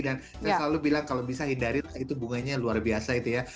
dan saya selalu bilang kalau bisa hindari lah itu bunganya luar biasa itu ya